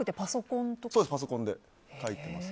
パソコンで書いてます。